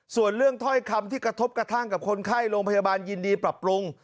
ส่วนเรื่องถ้อยคำที่กระทบกระทั่งกับคนไข้โรงพยาบาลยินดีปรับปรุง